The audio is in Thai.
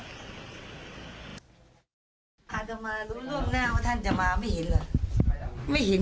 อาจจะมารู้ร่วมหน้าว่าท่านจะมาไม่เห็นล่ะ